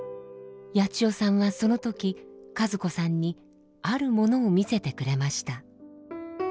ヤチヨさんはその時和子さんにあるものを見せてくれました。